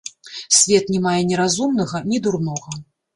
Свет не мае ні разумнага, ні дурнога.